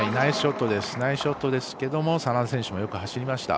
ナイスショットですけども眞田もよく走りました。